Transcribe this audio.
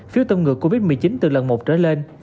phiếu tâm ngừa covid một mươi chín từ lần một trở lên